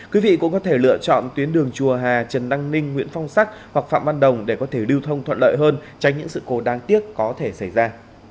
quý vị cũng có thể lựa chọn tuyến đường chùa hà trần đăng ninh nguyễn phong sắc hoặc phạm văn đồng để có thể lưu thông thuận lợi hơn tránh những sự cố đáng tiếc có thể xảy ra